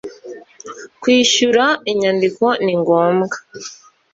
kwishyura inyandiko ningombwa.